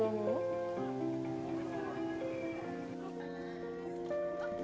belum belum belum